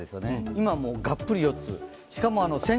今、がっぷり四つ。